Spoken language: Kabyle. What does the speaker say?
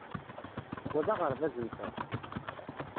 Wa d aɣerbaz-nteɣ.